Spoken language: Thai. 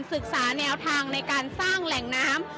ศึกษาแนวทางในการสร้างแหล่งน้ำ